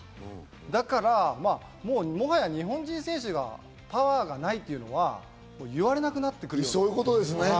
だから、もはや日本人選手はパワーがないというのは言われなくなってくる。